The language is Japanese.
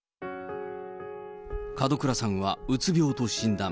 門倉さんはうつ病と診断。